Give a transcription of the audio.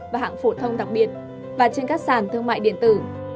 và hạng phổ thông đặc biệt và trên các sàn thương mại điện tử